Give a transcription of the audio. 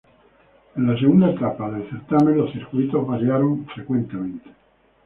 En la segunda etapa del certamen, los circuitos variaron frecuentemente.